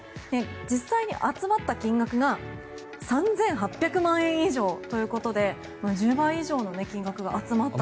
実際に集まった金額が３８００万円以上ということで１０倍以上の金額が集まったと。